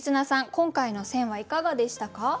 今回の選はいかがでしたか？